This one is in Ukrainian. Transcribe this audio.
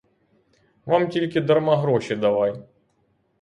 Вам тільки дарма гроші давай!